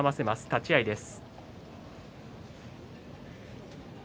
立ち合いです。